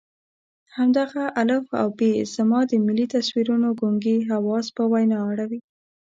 همدغه الف او ب زما د ملي تصویرونو ګونګي حواس په وینا اړوي.